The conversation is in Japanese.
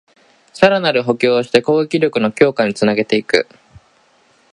さらなる補強をして攻撃力の強化につなげていく